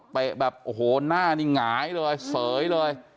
แบบโอ้โหหน้านี่หงายเลยเสยเลย